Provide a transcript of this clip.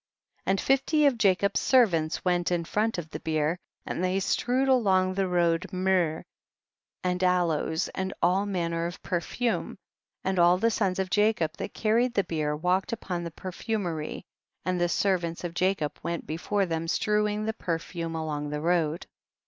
41. And fifty of Jacob's servants went in front of the bier, and they strewed along the road myrrh and aloes, and all manner of perfume, and all the sons of Jacob that carried the bier walked upon the perfumery, and the servants of Jacob went before them strewing the perfume along the road.